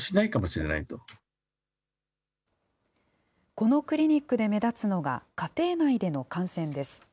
このクリニックで目立つのが家庭内での感染です。